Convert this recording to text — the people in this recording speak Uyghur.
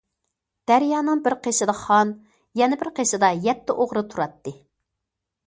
دەريانىڭ بىر قېشىدا خان، يەنە بىر قېشىدا يەتتە ئوغرى تۇراتتى.